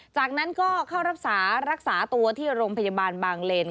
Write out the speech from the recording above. จากนั้นก็เข้ารักษารักษาตัวที่โรงพยาบาลบางเลน